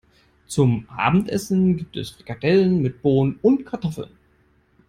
Zum Abendessen gibt es Frikadellen mit Bohnen und Kartoffeln.